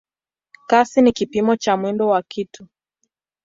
Kasi ni kipimo cha mwendo wa kitu.